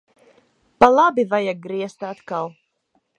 Pa labi vajag griezt atkal.